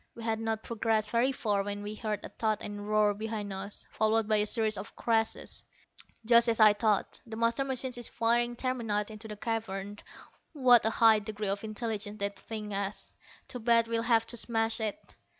We had not progressed very far when we heard a thud and a roar behind us, followed by a series of crashes. "Just as I thought. The master machine is firing terminite into the cavern. What a high degree of intelligence that thing has! Too bad we'll have to smash it."